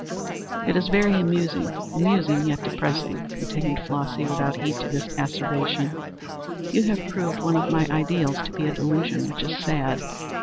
"It is very amusing. Amusing yet depressing," continued Flossy, without heed to this asseveration. "You have proved one of my ideals to be a delusion, which is sad."